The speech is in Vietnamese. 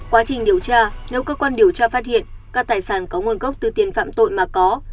quá trình điều tra nếu cơ quan điều tra phát hiện các tài sản có nguồn gốc từ tiền phạm tội mà có